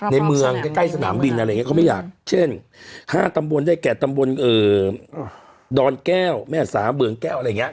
ในเมืองใกล้สนามบินอะไรอย่างนี้เขาไม่อยากเช่น๕ตำบลได้แก่ตำบลดอนแก้วแม่สาเบื่องแก้วอะไรอย่างนี้